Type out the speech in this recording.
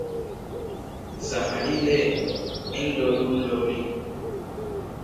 Samadii le ningdoodu loli.